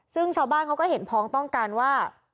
ซึ่งชาวบ้านเขาก็เห็นพ้องต้องการว่า